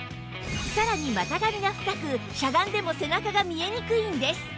さらに股上が深くしゃがんでも背中が見えにくいんです